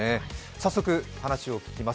早速、話を聞きます。